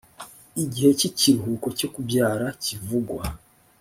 igihe cy ikiruhuko cyo kubyara kivugwa